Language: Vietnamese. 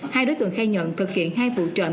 hai đối tượng khai nhận thực hiện hai vụ trộm